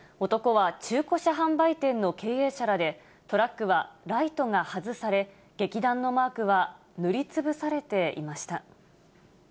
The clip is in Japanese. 男は中古車販売店の経営者らで、トラックはライトが外され、劇団のマークは塗りつぶされていました。